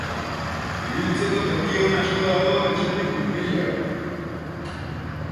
Ibiltzeko toki on asko dago etxetik hurbilago.